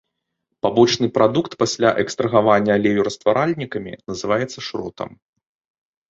Пабочны прадукт пасля экстрагавання алею растваральнікамі называецца шротам.